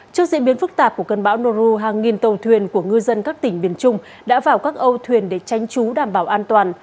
trước diễn biến phức tạp của cơn bão nu hàng nghìn tàu thuyền của ngư dân các tỉnh biển trung đã vào các âu thuyền để tránh trú đảm bảo an toàn